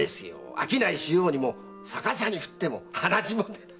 商いしようにも逆さに振っても鼻血も出ない。